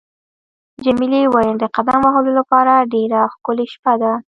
جميلې وويل: د قدم وهلو لپاره ډېره ښکلې شپه ده.